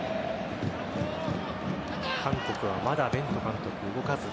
韓国は、まだベント監督動かず。